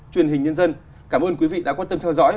truyền hình nhân dân cảm ơn quý vị đã quan tâm theo dõi